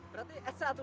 berarti s satu dong